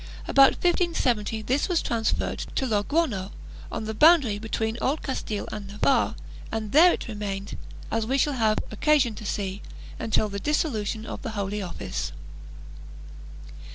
About 1570 this was transferred to Logrono, on the boundary between Old Castile and Navarre, and there it re mained, as we shall have occasion to see, until the dissolution of the Holv Office.